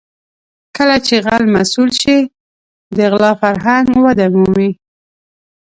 کله چې غل مسوول شي د غلا فرهنګ وده مومي.